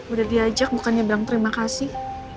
udah diajak bukannya bilang terima kasih